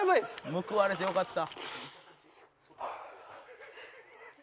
「報われてよかった」